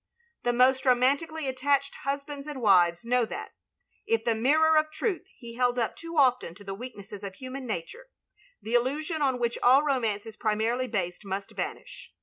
The most romantically attached husbands and wives know that, if the mirror of truth he held up too often to the weaknesses of hamaxi nature, the illusion on which all romance is primarily based must vanish.